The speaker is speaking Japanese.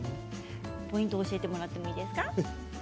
ポイント、教えてもらってもいいですか？